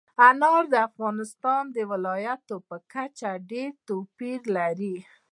انار د افغانستان د ولایاتو په کچه ډېر توپیر لري.